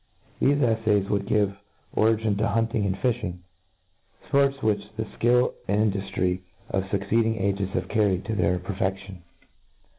Thefe eflays would give origin to hunting and fifliing j — ^fports, which the Ikill and induflry of fucceeding agps have carried to their pcrfeftion.